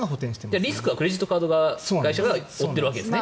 じゃあ、リスクはクレジットカード会社が負っているわけですね。